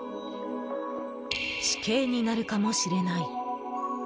死刑になるかもしれない。